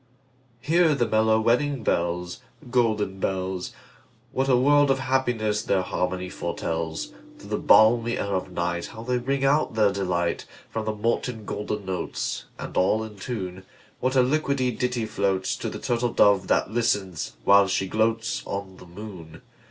Hear the mellow wedding bells, Golden bells! What a world of happiness their harmony foretells! Through the balmy air of nightHow they ring out their delight! From the molten golden notes, And all in tune, What a liquid ditty floatsTo the turtle dove that listens, while she gloatsOn the moon!